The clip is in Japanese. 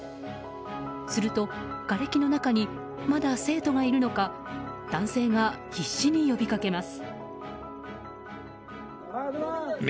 すると、がれきの中にまだ生徒がいるのか男性が必死に呼びかけます。